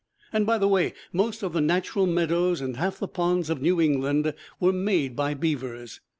And, by the way, most of the natural meadows and half the ponds of New England were made by beavers.